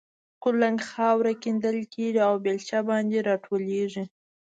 کولنګ خاوره کیندل کېږي او بېلچه باندې را ټولېږي.